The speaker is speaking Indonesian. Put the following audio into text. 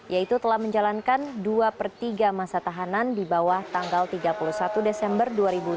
yaitu telah menjalankan dua per tiga masa tahanan di bawah tanggal tiga puluh satu desember dua ribu sembilan belas